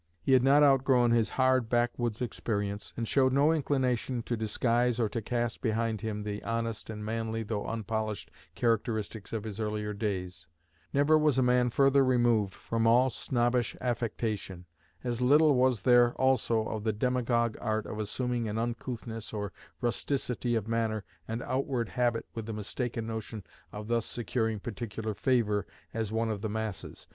He had not outgrown his hard backwoods experience, and showed no inclination to disguise or to cast behind him the honest and manly though unpolished characteristics of his earlier days. Never was a man further removed from all snobbish affectation. As little was there, also, of the demagogue art of assuming an uncouthness or rusticity of manner and outward habit with the mistaken notion of thus securing particular favor as 'one of the masses.'